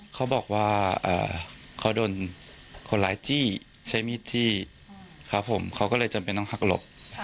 เขาบอกว่าเขาโดนคนร้ายจี้ใช้มีดจี้ครับผมเขาก็เลยจำเป็นต้องหักหลบ